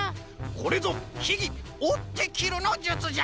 これぞひぎ「おってきるのじゅつ」じゃ！